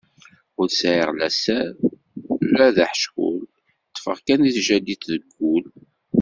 Ur sɛiɣ la sser la d aḥeckul, ṭfeɣ kan di tjaddit seg wul.